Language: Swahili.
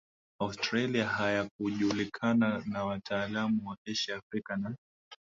Australia hayakujulikana na wataalamu wa Asia Afrika na